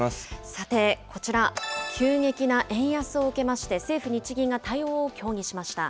さて、こちら、急激な円安を受けまして、政府・日銀が対応を協議しました。